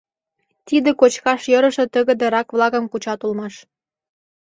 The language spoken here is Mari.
Тиде — кочкаш йӧрышӧ тыгыде рак-влакым кучат улмаш.